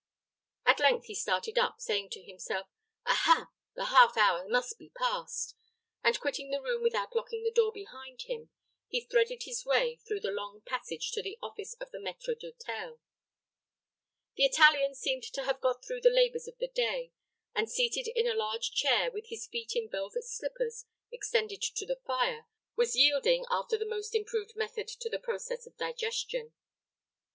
At length he started up, saying to himself, "Ah, ha! the half hour must be past;" and quitting the room without locking the door behind him, he threaded his way through the long passage to the office of the maître d'hôtel. The Italian seemed to have got through the labors of the day, and seated in a large chair, with his feet in velvet slippers, extended to the fire, was yielding after the most improved method to the process of digestion.